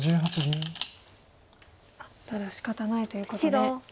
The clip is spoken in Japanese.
ただしかたないということで。